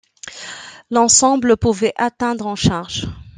L'ensemble pouvait atteindre en charge.